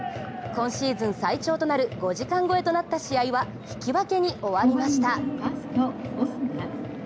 今シーズン最長となる５時間越えとなった試合は引き分けに終わりました。